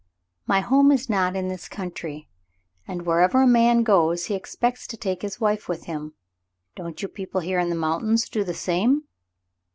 "My home is not in this country, and wherever a man goes, he expects to take his wife with him. Don't you people here in the moun tains do the same